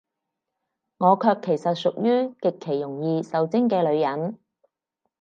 我卻其實屬於，極其容易受精嘅女人